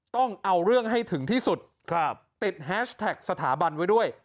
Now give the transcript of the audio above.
ต้องเอาเรื่องให้ถึงที่สุดติดแฮชแท็กสถาบันไว้ด้วย